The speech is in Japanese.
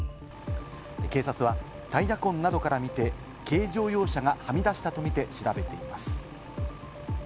警察はタイヤ痕などから見て、軽乗用車がはみ出したとみて調べています。